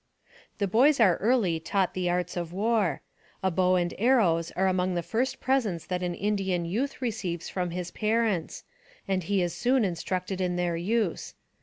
The boys are early taught the arts of war. A bow and arrows are among the first presents that an Indian youth receives from his parents, and he is soon in structed in their use.